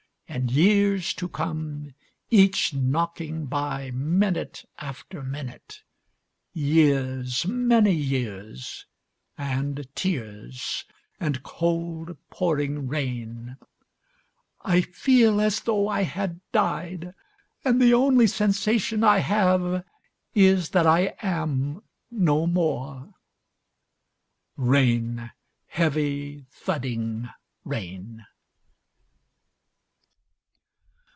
And years to come each knocking by, minute after minute. Years, many years, and tears, and cold pouring rain. "I feel as though I had died, and the only sensation I have is that I am no more." Rain! Heavy, thudding rain!